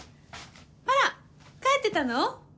あら帰ってたの？